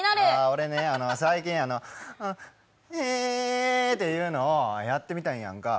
俺ね、最近、へっていうのをやってみたいやんか。